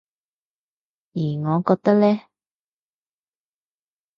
而我覺得呢